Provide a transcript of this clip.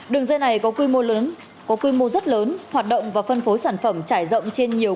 đường dây này có quy mô rất lớn hoạt động và phân phối sản phẩm trải rộng